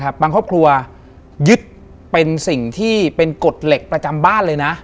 บางครอบครัวยึดเป็นสิ่งที่เป็นกฎเหล็กประจำบ้านเลยนะ